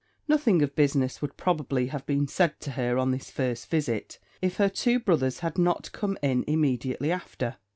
Nothing of business would probably have been said to her on this first visit, if her two brothers had not come in immediately after.